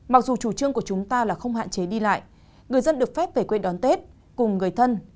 mặc dù chủ trương của chúng ta là không hạn chế đi lại người dân được phép về quê đón tết cùng người thân